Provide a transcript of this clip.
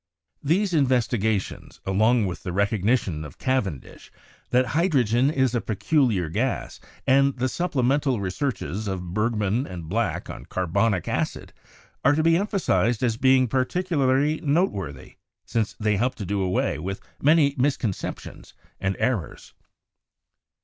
These investigations, along with the recognition of Caven dish that hydrogen is a peculiar gas, and the supplemental researches of Bergman and Black on carbonic acid, are to be emphasized as being particularly noteworthy, since they helped to do away with many misconceptions and errors.